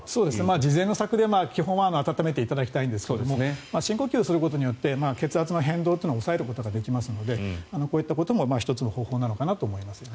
次善の策で、基本は暖めていただきたいんですが深呼吸をすることによって血圧の変動というのを抑えることができますのでこういったことも１つの方法なのかなと思います。